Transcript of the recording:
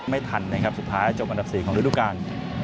ไม่ทันนะครับสุดท้ายจบอันดับ๔ของฤดูกาล